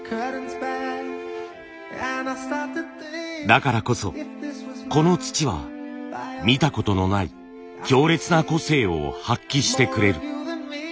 だからこそこの土は見たことのない強烈な個性を発揮してくれる。